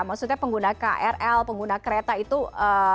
maksudnya pengguna krl pengguna kereta itu ee